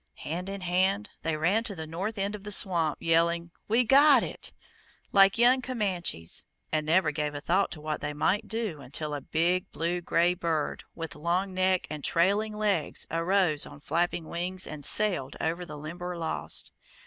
Hand in hand they ran to the north end of the swamp, yelling "We got it!" like young Comanches, and never gave a thought to what they might do until a big blue gray bird, with long neck and trailing legs, arose on flapping wings and sailed over the Limberlost.